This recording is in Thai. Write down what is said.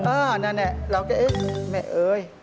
นั่นแหละแล้วแกเอ๊ะแม่เอ๋ย